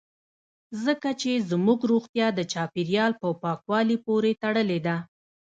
ځکه چې زموږ روغتیا د چاپیریال په پاکوالي پورې تړلې ده